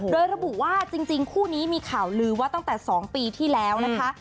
โดยระบุว่าจริงคู่นี้มีข่าวลือว่าตั้งแต่๒ปีที่แล้วนะคะ